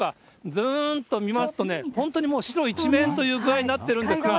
ずーんと見ますと、本当にもう白一面という具合になってるんですが。